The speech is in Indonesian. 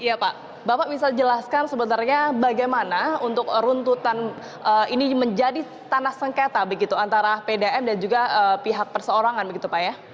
iya pak bapak bisa jelaskan sebenarnya bagaimana untuk runtutan ini menjadi tanah sengketa begitu antara pdam dan juga pihak perseorangan begitu pak ya